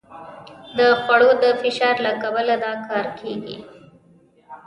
د خوړو د فشار له کبله دا کار کېږي.